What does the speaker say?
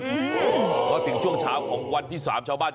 เดี๋ยวถึงช่วงเช้าวันที่๓ชาวบ้าน